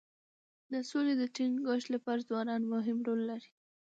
د سولي د ټینګښت لپاره ځوانان مهم رول لري.